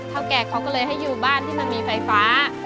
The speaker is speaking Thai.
แก่เขาก็เลยให้อยู่บ้านที่มันมีไฟฟ้า